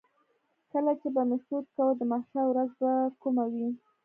کله چې به مې سوچ کاوه د محشر ورځ به کومه وي.